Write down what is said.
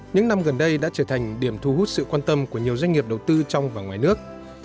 những năm gần đây đã trở thành điểm thu hút sự quan tâm của nhiều doanh nghiệp đầu tư trong và ngoài nước